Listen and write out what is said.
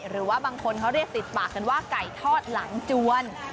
หรือว่าบางคนเขาเรียกติดปากกันว่าไก่ทอดหลังจวน